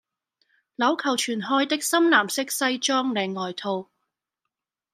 鈕扣全開的深藍色西裝領外套